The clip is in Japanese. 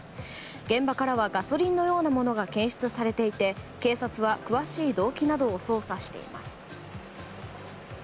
現場からはガソリンのようなものが検出されていて警察は詳しい動機などを捜査しています。